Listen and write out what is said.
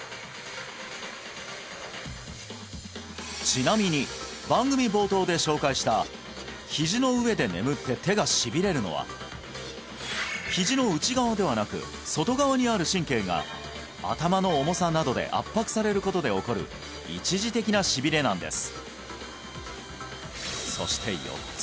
ちなみに番組冒頭で紹介したひじの上で眠って手がしびれるのはひじの内側ではなく外側にある神経が頭の重さなどで圧迫されることで起こる一時的なしびれなんです